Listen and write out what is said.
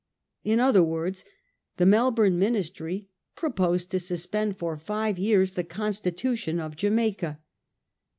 In other words, the Melbourne Ministry proposed to suspend for five years the constitution of Jamaica.